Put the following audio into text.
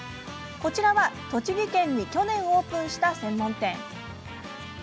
こちらは栃木県に去年オープンした専門店。